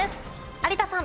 有田さん。